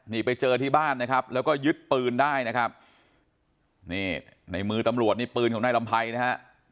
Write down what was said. นี่ไปเจอที่บ้านนะครับแล้วก็ยึดปืนได้นะครับนี่ในมือตำรวจนี่ปืนของนายลำไพรนะฮะ